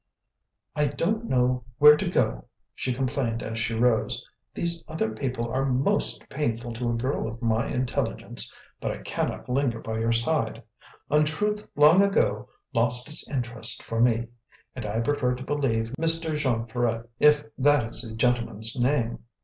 "I don't know where to go," she complained as she rose. "These other people are MOST painful to a girl of my intelligence, but I cannot linger by your side; untruth long ago lost its interest for me, and I prefer to believe Mr. Jean Ferret if that is the gentleman's name.